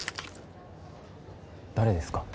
誰ですか？